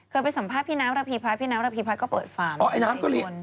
เคยไปสัมพาทพี่น้ำลาพีพรรค